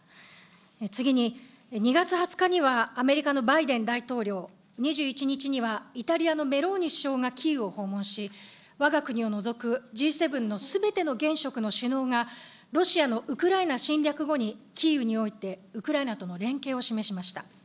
次に、２月２０日にはアメリカのバイデン大統領、２１日にはイタリアのメローニ首相がキーウを訪問し、わが国を除くＧ７のすべての現職の首脳がロシアのウクライナ侵略後にキーウにおいて、ウクライナとの連携を示しました。